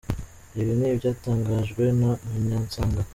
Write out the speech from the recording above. Ibi ni ibyatangajwe na Munyensanga.